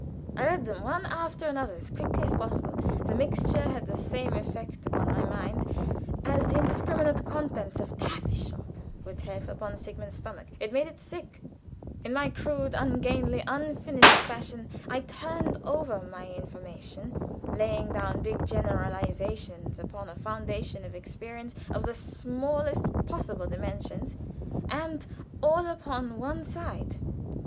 I read them one after another, as quickly as possible; the mixture had the same effect upon my mind as the indiscriminate contents of taffy shop would have upon Sigmund's stomach it made it sick. In my crude, ungainly, unfinished fashion I turned over my information, laying down big generalizations upon a foundation of experience of the smallest possible dimensions, and all upon one side."